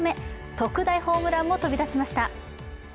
特大ホームランも飛び出しました。